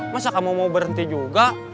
masa kamu mau berhenti juga